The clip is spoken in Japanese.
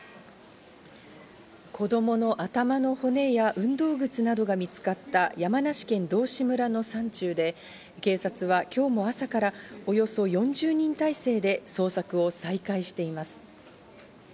子供の頭の骨や運動靴などが見つかった、山梨県道志村の山中で、警察は今日も朝からおよそ４０人態勢で捜索を再開しています。